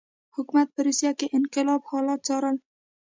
حکومت په روسیه کې انقلاب حالات څارل.